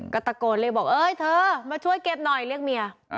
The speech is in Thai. ก็ตะโกนเลยบอกเอ้ยเธอมาช่วยเก็บหน่อยเรียกเมีย